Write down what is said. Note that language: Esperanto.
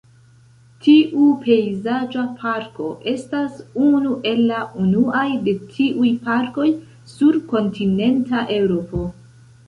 Tiu pejzaĝa parko estas unu el la unuaj de tiuj parkoj sur kontinenta Eŭropo.